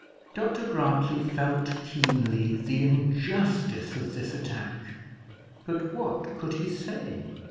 Dr Grantly felt keenly the injustice of this attack; but what could he say?